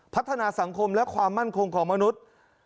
พัฒนาสังคมและความมั่นคงของมนุษย์